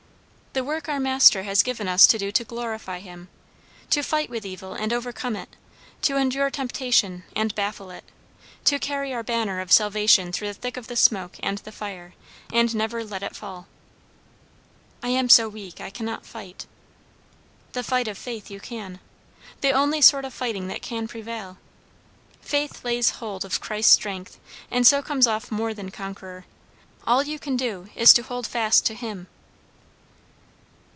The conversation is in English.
"The work our Master has given us to do to glorify him. To fight with evil and overcome it; to endure temptation, and baffle it; to carry our banner of salvation through the thick of the smoke and the fire, and never let it fall." "I am so weak, I cannot fight." "The fight of faith you can. The only sort of fighting that can prevail. Faith lays hold of Christ's strength, and so comes off more than conqueror. All you can do, is to hold fast to him."